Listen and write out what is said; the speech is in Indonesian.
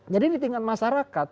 jadi di tingkat masyarakat